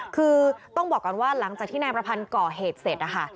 คือต้องบอกก่อนว่าหลังจากที่นายประพันธ์ก่อเหตุเสร็จนะคะ